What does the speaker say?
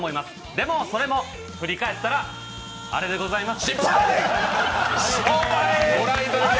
でもそれも振り返ったら、あれでございます。